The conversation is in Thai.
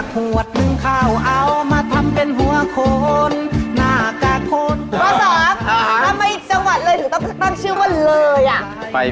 ตัวสามทำไมจังหวัดเลยถึงต้องชื่อว่าเลย